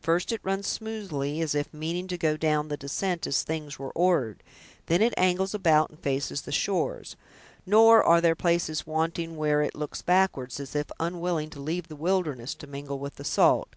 First it runs smoothly, as if meaning to go down the descent as things were ordered; then it angles about and faces the shores; nor are there places wanting where it looks backward, as if unwilling to leave the wilderness, to mingle with the salt.